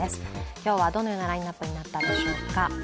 今日はどのようなラインナップになったんでしょうか。